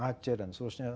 aceh dan seterusnya